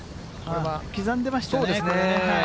刻んでましたね。